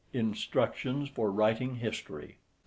INSTRUCTIONS FOR WRITING HISTORY.